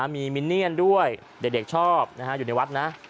มีมิเนียนด้วยเด็กชอบอยู่ในวัดนะ